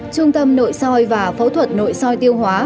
trung tâm nội soi và phẫu thuật nội soi tiêu hóa